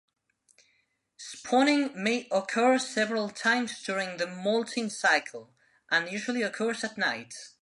Spawning may occur several times during the moulting cycle, and usually occurs at night.